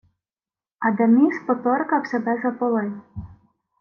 Адаміс поторкав себе за поли: